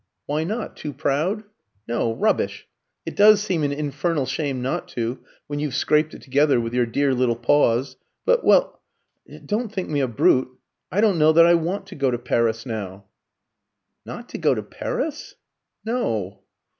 "Why not? Too proud?" "No rubbish! It does seem an infernal shame not to, when you've scraped it together with your dear little paws; but well don't think me a brute I don't know that I want to go to Paris now." "Not to go to Paris?" "No."